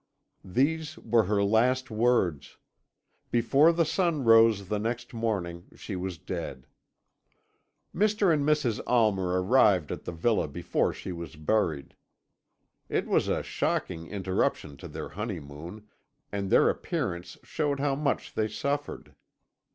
"These were her last words. Before the sun rose the next morning she was dead. "Mr. and Mrs. Almer arrived at the villa before she was buried. It was a shocking interruption to their honeymoon, and their appearance showed how much they suffered.